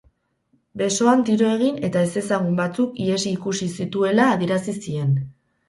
Besoan tiro egin eta ezezagun batzuk ihesi ikusi zituela adierazi zien.